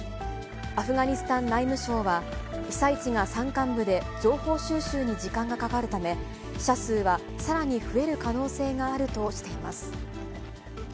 アフガニスタン内務省は、被災地が山間部で情報収集に時間がかかるため、死者数はさらに増える可能性があるとしています。